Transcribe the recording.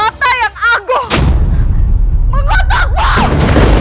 semoga dewa tayang agung mengotakmu